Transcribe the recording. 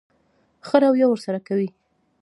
ښه رويه ورسره کوئ.